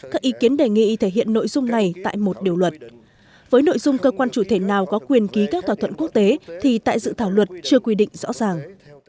có thể nào có quyền ký các thỏa thuận quốc tế thì tại dự thảo luật chưa quy định rõ ràng